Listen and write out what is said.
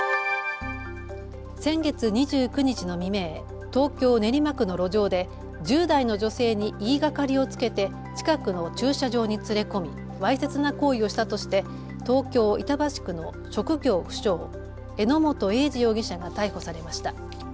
先月２９日の未明、東京練馬区の路上で１０代の女性に言いがかりをつけて近くの駐車場に連れ込み、わいせつな行為をしたとして東京板橋区の職業不詳、榎本栄二容疑者が逮捕されました。